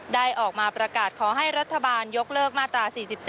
ได้ออกมาประกาศขอให้รัฐบาลยกเลิกมาตรา๔๔